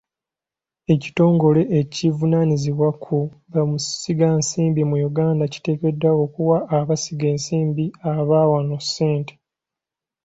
Ekitongole ekivunaanyizibwa ku bamusigansimbi mu Uganda kiteekeddwa okuwa abasiga nsimbi aba wano ssente.